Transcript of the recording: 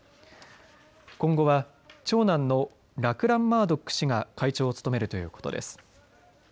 今後は長男のラクラン・マードック氏が会長を務めるということです。